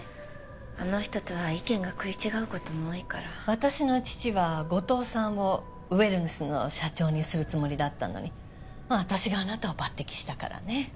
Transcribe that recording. あの人とは意見が食い違うことも多いから私の父は後藤さんをウェルネスの社長にするつもりだったのに私があなたを抜てきしたからね